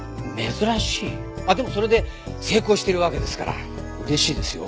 あっでもそれで成功してるわけですから嬉しいですよ